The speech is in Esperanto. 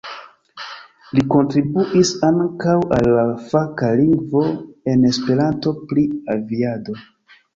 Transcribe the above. Li kontribuis ankaŭ al la faka lingvo en Esperanto pri aviado.